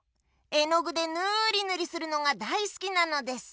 えのぐでぬりぬりするのがだいすきなのです。